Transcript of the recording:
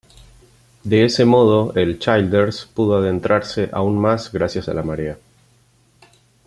De ese modo, el "Childers" pudo adentrarse aún más gracias a la marea.